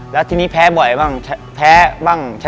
ซึ่งเอามาแบตเทเนอร์